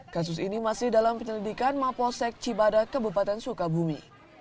kasus ini masih dalam penyelidikan maposek cibadak kabupaten sukabumi